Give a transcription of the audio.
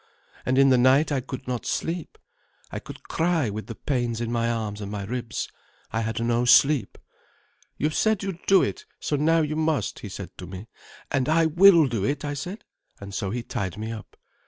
And in the night I could not sleep, I could cry with the pains in my arms and my ribs, I had no sleep. 'You've said you'd do it, so now you must,' he said to me. 'And I will do it,' I said. And so he tied me up.